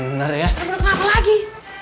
bener bener kenapa lagi